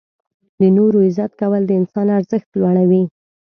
• د نورو عزت کول د انسان ارزښت لوړوي.